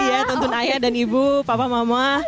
iya temen temen ayah dan ibu papa mama